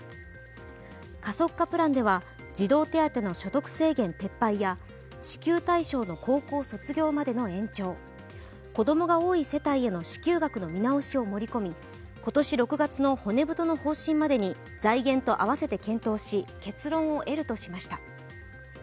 加速化プランでは、児童手当の所得制限撤廃や支給対象の高校卒業までの延長子供が多い世帯への支給額の見直しを盛り込み今年６月の骨太の方針までに財源と合わせて検討し結論を得るとしました。